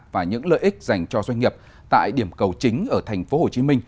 và những lợi ích dành cho doanh nghiệp tại điểm cầu chính ở tp hcm